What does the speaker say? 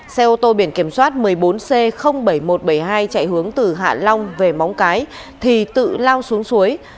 xe ô tô biển kiểm soát một mươi bốn c bảy nghìn một trăm bảy mươi hai chạy hướng từ hạ long về móng cái thì tự lao xuống suối